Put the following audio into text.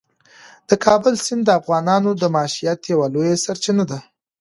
د کابل سیند د افغانانو د معیشت یوه لویه سرچینه ده.